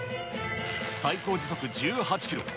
最高時速１８キロ。